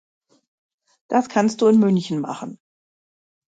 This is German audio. Das kannst du in München machen.